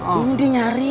ini dia nyari